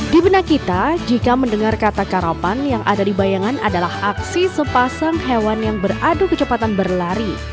di benak kita jika mendengar kata karapan yang ada di bayangan adalah aksi sepasang hewan yang beradu kecepatan berlari